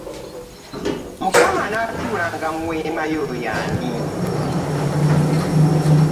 Mukama, anatuulanga mu weemayo yaani?